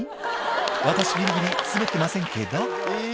私ギリギリ滑ってませんけど」